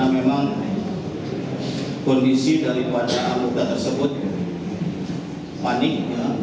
memang polda sumsel dilakukan karena memang kondisi daripada anggota tersebut panik